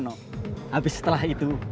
abis setelah itu